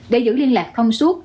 để giữ liên lạc thông suất